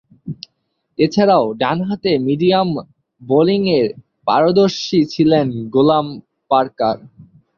এছাড়াও, ডানহাতে মিডিয়াম বোলিংয়ে পারদর্শী ছিলেন গুলাম পার্কার।